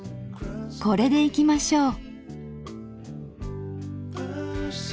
これでいきましょう。